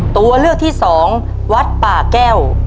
ตัวเลือกที่สองวัดป่าแก้ว